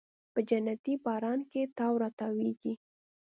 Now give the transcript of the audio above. په جنتي باران کې تاو راتاویږې